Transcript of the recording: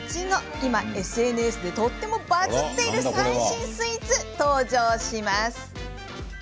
今ＳＮＳでとってもバズっている最新スイーツ登場します。